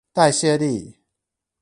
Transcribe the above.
代謝力